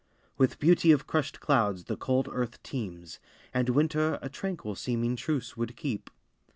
With beauty of crushed clouds the cold earth teems, And winter a tranquil seeming truce would keep.